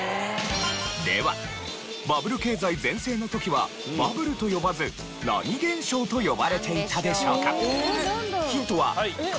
ではバブル経済全盛の時はバブルと呼ばず何現象と呼ばれていたでしょうか？